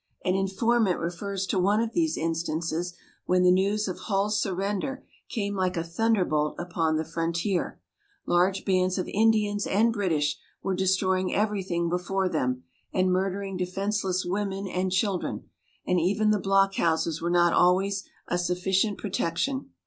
An informant refers to one of these instances, when the news of Hull's surrender came like a thunderbolt upon the frontier. Large bands of Indians and British were destroying everything before them, and murdering defenseless women and children, and even the block houses were not always a sufficient protection.